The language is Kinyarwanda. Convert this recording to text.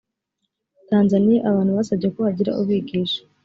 tanzaniya abantu basabye ko hagira ubigisha